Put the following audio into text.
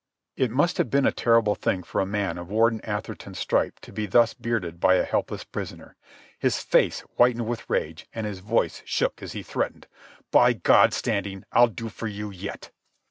It must have been a terrible thing for a man of Warden Atherton's stripe to be thus bearded by a helpless prisoner. His face whitened with rage and his voice shook as he threatened: "By God, Standing, I'll do for you yet."